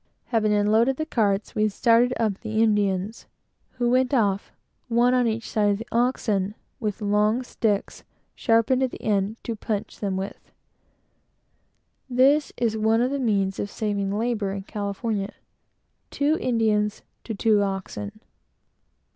Having loaded the carts, we started up the Indians, who went off, one on each side of the oxen, with long sticks, sharpened at the end, to punch them with. This is one of the means of saving labor in California; two Indians to two oxen.